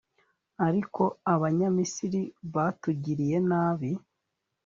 ariko abanyamisiri batugiriye nabi,